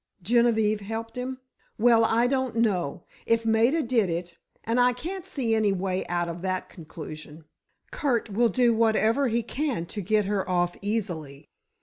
Genevieve helped him. "Well, I don't know. If Maida did it—and I can't see any way out of that conclusion, Curt will do whatever he can to get her off easily.